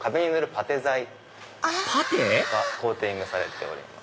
パテ⁉コーティングされております。